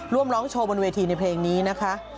ร่วมร้องโชว์บนเวทีในเพลงนี้นะคะ